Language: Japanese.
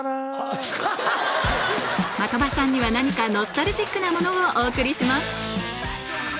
的場さんには何かノスタルジックなものをお送りします